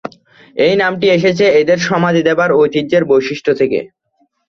এই নামটি এসেছে এদের সমাধি দেবার ঐতিহ্যের বৈশিষ্ট্য থেকে।